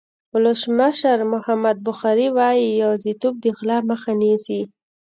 ولسمشر محمد بخاري وایي یوازېتوب د غلا مخه نیسي.